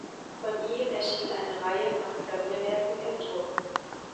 Von ihm erschien eine Reihe von Klavierwerken im Druck.